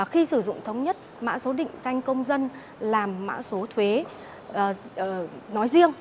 khi sử dụng thống nhất mã số định danh công dân làm mã số thuế nói riêng